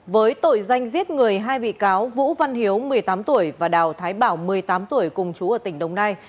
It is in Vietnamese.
với tội danh giết người hai bị cáo vũ văn hiếu một mươi tám tuổi và đào thái bảo một mươi tám tuổi cùng chú ở tỉnh đồng nai